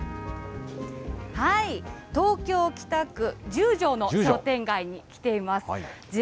東京・北区十条の商店街に来ています。